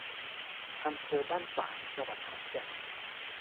อำเภอบ้านฝาง จังหวัดขอนแก่น